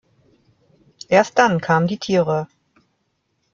Erst dann kamen die Tiere.